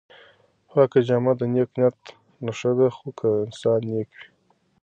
پاکه جامه د نېک نیت نښه ده خو که انسان نېک وي.